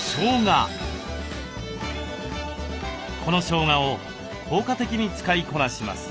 このしょうがを効果的に使いこなします。